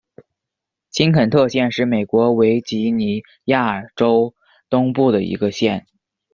新肯特县是美国维吉尼亚州东部的一个县。